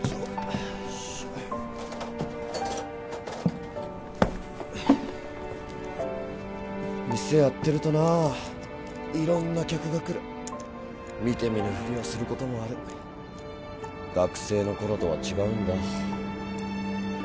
はい店やってるとな色んな客が来る見て見ぬふりをすることもある学生の頃とは違うんだ